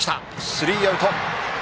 スリーアウト。